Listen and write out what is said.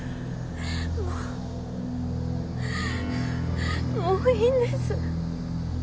もうもういいんです。